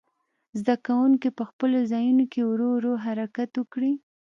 زده کوونکي په خپلو ځایونو کې ورو ورو حرکت وکړي.